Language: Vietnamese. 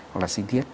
hoặc là sinh thiết